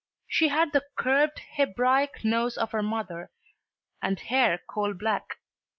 She had the "curved Hebraic nose of her mother and hair coal black."